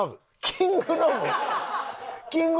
「キングノブ」やん。